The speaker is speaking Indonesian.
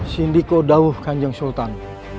sindiko daud kanjur sultan